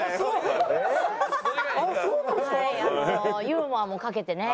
ユーモアもかけてね。